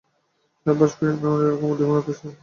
সাবাস ফিয়োনা, এরকম উদ্দীপনাই তো চাই।